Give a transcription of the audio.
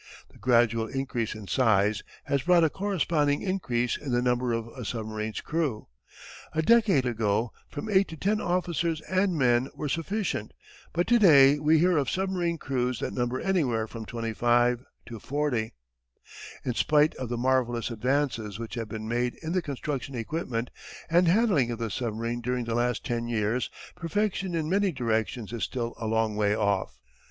The gradual increase in size has brought a corresponding increase in the number of a submarine's crew. A decade ago from 8 to 10 officers and men were sufficient but to day we hear of submarine crews that number anywhere from 25 to 40. In spite of the marvellous advances which have been made in the construction, equipment, and handling of the submarine during the last ten years, perfection in many directions is still a long way off.